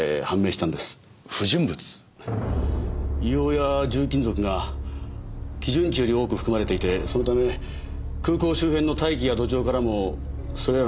硫黄や重金属が基準値より多く含まれていてそのため空港周辺の大気や土壌からもそれらの成分が。